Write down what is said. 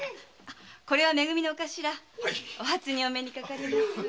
これは「め組」のおカシラお初にお目にかかります。